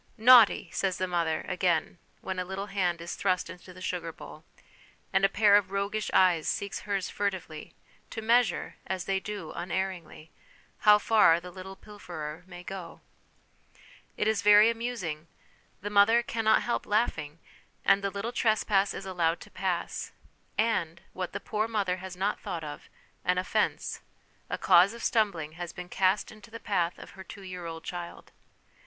* Naughty !' says the mother, again, when a little hand is thrust into the sugar bowl ; and a pair of roguish eyes seeks hers furtively, to measure, as they do unerringly, how far the little pilferer may It is very amusing ; the mother ' cannot help ':ing'; and the little trespass is allowed to pass: and, what the poor mother has not thought of, an offence, a cause of stumbling, has been cast into the path of her two year old child.